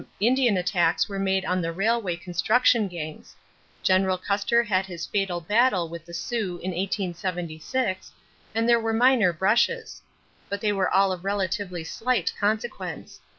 Indian attacks were made on the railway construction gangs; General Custer had his fatal battle with the Sioux in 1876 and there were minor brushes; but they were all of relatively slight consequence.